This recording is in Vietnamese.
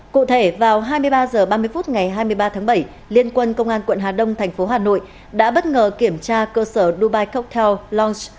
cụ thể vào hai mươi ba h ba mươi phút ngày hai mươi ba tháng bảy liên quân công an quận hà đông thành phố hà nội đã bất ngờ kiểm tra cơ sở dubai coctel lounce